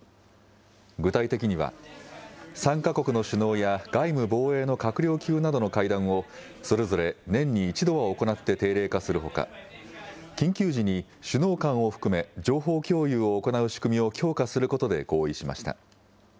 具体的には、３か国の首脳や外務防衛の閣僚級などの会談を、それぞれ年に１度は行って定例化するほか、緊急時に首脳間を含め、情報共有を行う仕組みを強化することで合意しました。